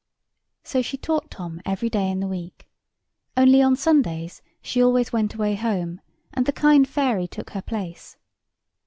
So she taught Tom every day in the week; only on Sundays she always went away home, and the kind fairy took her place.